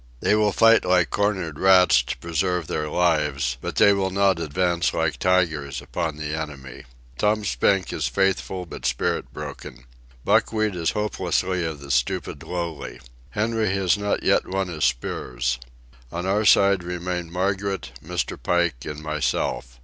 They will fight like cornered rats to preserve their lives; but they will not advance like tigers upon the enemy. Tom Spink is faithful but spirit broken. Buckwheat is hopelessly of the stupid lowly. Henry has not yet won his spurs. On our side remain Margaret, Mr. Pike, and myself.